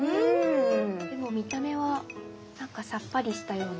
でも見た目はなんかさっぱりしたような。